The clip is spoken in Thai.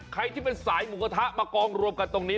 ใครที่เป็นสายหมูกระทะมากองรวมกันตรงนี้